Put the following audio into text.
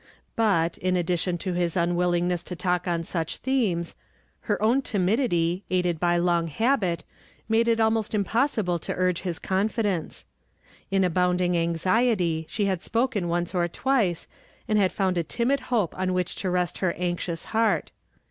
But, in ad dition to his unwillingness to talk on such tlifmes, her own timidity, aided by long habit, made 54 YESTERDAY FRAMED IN TO DAY. <i I it almost impossihle to urge his confidence. In abounding anxiety she liad spoken once or twice, and luid found a timid hope on wliich to rest licr anxious lieart.